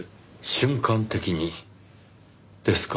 瞬間的にですか。